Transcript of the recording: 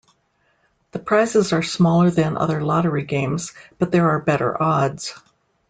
The prizes are smaller than other lottery games, but there are better odds.